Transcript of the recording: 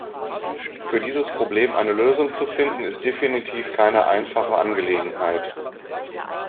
Für dieses Problem eine Lösung zu finden, ist definitiv keine einfache Angelegenheit.